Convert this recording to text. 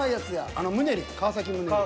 あのムネリン川ムネリン。